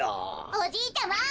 おじいちゃま。